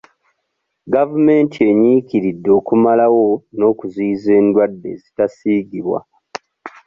Gavumenti enyiikiridde okumalawo n'okuziyiza endwadde ezitasiigibwa.